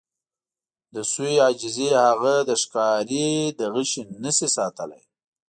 د سویې عاجزي هغه د ښکاري له غشي نه شي ساتلی.